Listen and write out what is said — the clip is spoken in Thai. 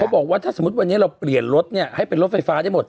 บอกว่าถ้าสมมุติวันนี้เราเปลี่ยนรถเนี่ยให้เป็นรถไฟฟ้าได้หมด